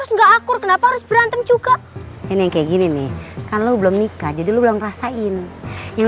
nah kalau berantem jangan lama lama ngetangis sih